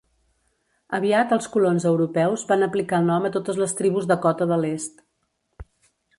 Aviat els colons europeus van aplicar el nom a totes les tribus Dakota de l'Est.